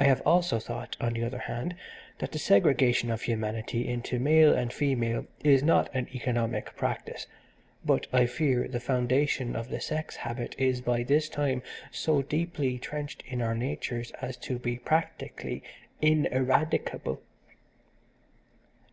I have also thought, on the other hand, that the segregation of humanity into male and female is not an economic practice, but I fear the foundation of the sex habit is by this time so deeply trenched in our natures as to be practically ineradicable.